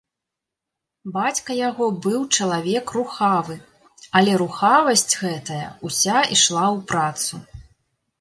Бацька яго быў чалавек рухавы, але рухавасць гэтая ўся ішла ў працу.